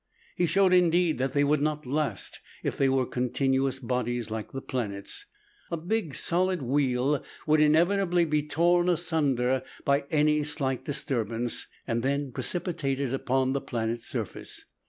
He showed, indeed, that they would not last if they were continuous bodies like the planets. A big solid wheel would inevitably be torn asunder by any slight disturbance, and then precipitated upon the planet's surface.